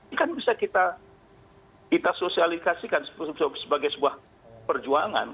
ini kan bisa kita sosialisasikan sebagai sebuah perjuangan